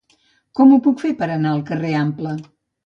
Com ho puc fer per anar al carrer Ample?